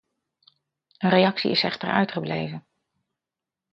Een reactie is echter uitgebleven.